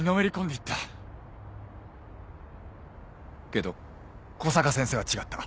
けど小坂先生は違った。